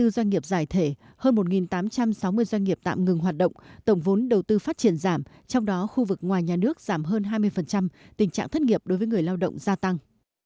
hai mươi doanh nghiệp giải thể hơn một tám trăm sáu mươi doanh nghiệp tạm ngừng hoạt động tổng vốn đầu tư phát triển giảm trong đó khu vực ngoài nhà nước giảm hơn hai mươi tình trạng thất nghiệp đối với người lao động gia tăng